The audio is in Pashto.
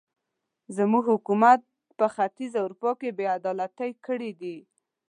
زموږ حکومت په ختیځه اروپا کې بې عدالتۍ کړې دي.